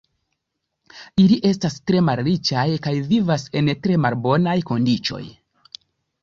Ili estas tre malriĉaj kaj vivas en tre malbonaj kondiĉoj.